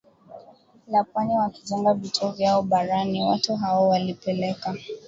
la pwani wakijenga vituo vyao barani Watu hao walipeleka